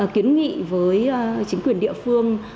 kiến nghị với chính quyền địa phương